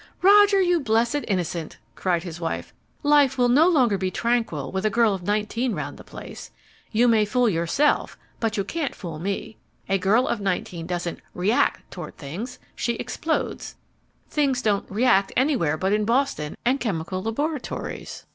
"Roger, you blessed innocent!" cried his wife. "Life will no longer be tranquil with a girl of nineteen round the place. You may fool yourself, but you can't fool me. A girl of nineteen doesn't REACT toward things. She explodes. Things don't 'react' anywhere but in Boston and in chemical laboratories.